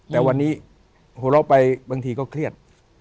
แต่วันนี้หัวเราะไปบางทีก็เครียด